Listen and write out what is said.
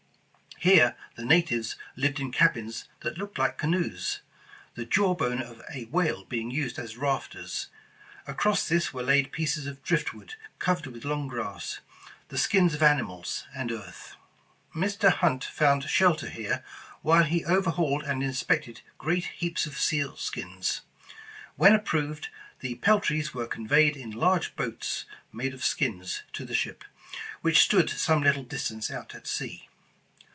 Here the natives lived in cabins that looked like canoes, the jaw bone of a whale being used as rafters. Across this were laid pieces of driftwood covered with long grass, the skins of animals, and earth. Mr. Hunt found shelter here while he overhauled and inspected great heaps of seal skins. When ap proved, the peltries were conveyed in large boats made of skins to the ship, which stood some little distance out at sea.